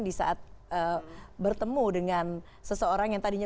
di saat bertemu dengan seseorang yang tadinya